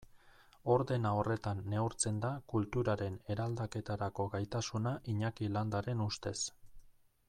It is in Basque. Ordena horretan neurtzen da kulturaren eraldaketarako gaitasuna Iñaki Landaren ustez.